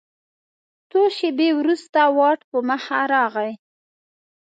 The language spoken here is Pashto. څو شیبې وروسته واټ په مخه راغی.